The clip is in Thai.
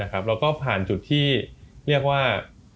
แล้วก็ผ่านจุดที่เรียกว่า